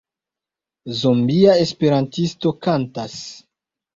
Zombia esperantisto kantas.